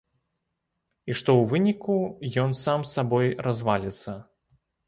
І што ў выніку ён сам сабой разваліцца.